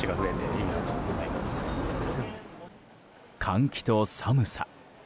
換気と寒さ。